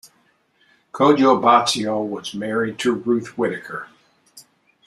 Kojo Botsio was married to Ruth Whittaker.